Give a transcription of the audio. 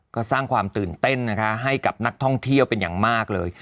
ก็สร้างความตื่นเต้นนะคะให้กับนักท่องเที่ยวเป็นอย่างมากเลย